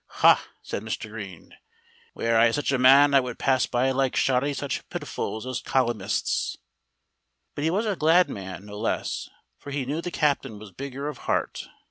"Ha," said Mr. Green, "Were I such a man, I would pass by like shoddy such pitifuls as colyumists." But he was a glad man no less, for he knew the captain was bigger of heart.